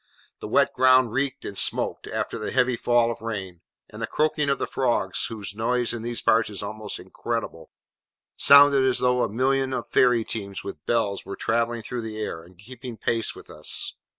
The wet ground reeked and smoked, after the heavy fall of rain, and the croaking of the frogs (whose noise in these parts is almost incredible) sounded as though a million of fairy teams with bells were travelling through the air, and keeping pace with us.